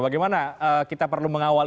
bagaimana kita perlu mengawal